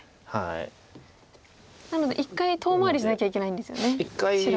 なので一回遠回りしなきゃいけないんですよね白は。